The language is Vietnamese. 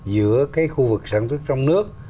giữa cái khu vực sản xuất trong nước